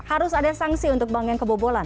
harus ada sanksi untuk bank yang kebobolan